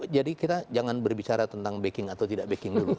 jadi kita jangan berbicara tentang backing atau tidak backing dulu